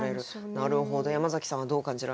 なるほど山崎さんはどう感じられましたか？